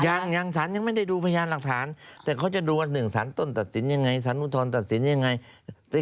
ยังสารยังไม่ได้ดูพยานหลักฐานแต่เขาจะดูว่าหนึ่งสารต้นตัดสินยังไงสารอุทธรณตัดสินยังไง